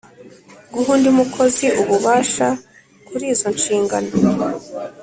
guha undi mukozi ububasha kuri izo nshingano ;